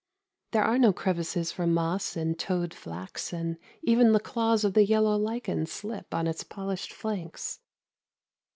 There are no crevices for moss and toad flax and even the claws of the yellow lichen slip on its polished flanks.